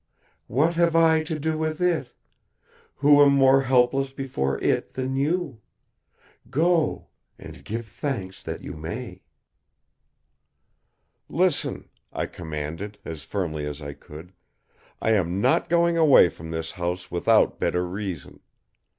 "What have I to do with It, who am more helpless before It than you? Go; and give thanks that you may." "Listen," I commanded, as firmly as I could. "I am not going away from this house without better reason.